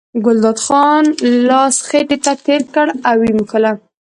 ګلداد خان لاس خېټې ته تېر کړ او یې مښله.